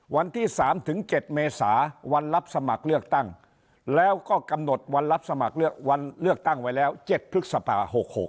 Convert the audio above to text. วันที่๓ถึง๗เมษาวันรับสมัครเลือกตั้งแล้วก็กำหนดวันรับสมัครวันเลือกตั้งไว้แล้ว๗พฤษภา๖๖